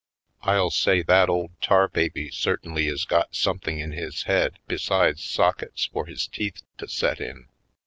I'll say that old tar baby certainly is got something in his head besides sockets for his teeth to set in.